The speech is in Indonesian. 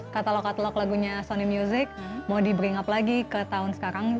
katalog katalog lagunya sony music mau di bring up lagi ke tahun sekarang